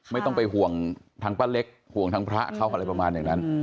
ไม่ต้องไปห่วงทางป้าเล็กห่วงทางพระเขาอะไรประมาณอย่างนั้น